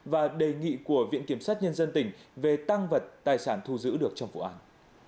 và đề nghị của viện kiểm sát nhân dân tỉnh về tăng vật tài sản thu giữ được trong vụ án